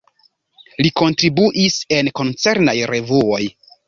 Li kontribuis en koncernaj revuoj.